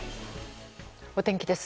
お天気です。